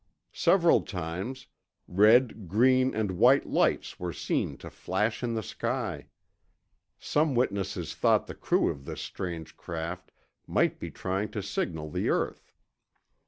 Several times, red, green, and white lights were seen to flash in the sky; some witnesses thought the crew of this strange craft might be trying to signal the earth.